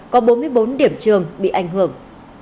có bốn mươi bốn điểm trường bị ảnh hưởng